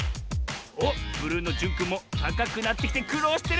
おっブルーのじゅんくんもたかくなってきてくろうしてるぞ！